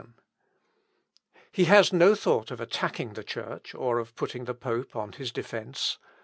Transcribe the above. He has no thought of attacking the Church, or of putting the pope on his defence.